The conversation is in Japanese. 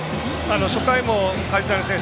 初回も梶谷選手